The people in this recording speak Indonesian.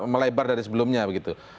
melebar dari sebelumnya begitu